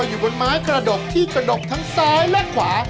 อยู่บนไม้กระดกที่กระดกทั้งซ้ายและขวา